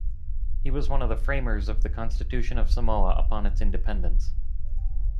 He was one of the Framers of the Constitution of Samoa upon its independence.